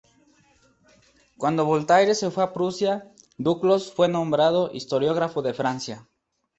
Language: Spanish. Cuando Voltaire se fue a Prusia, Duclos fue nombrado historiógrafo de Francia.